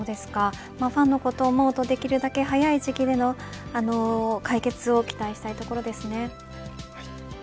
ファンのことを思うとできるだけ早い時期での解決を期待したいところですね。